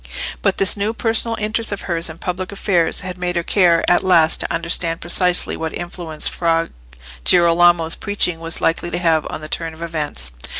But this new personal interest of hers in public affairs had made her care at last to understand precisely what influence Fra Girolamo's preaching was likely to have on the turn of events.